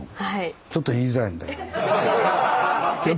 ちょっと言いづらいんだけど。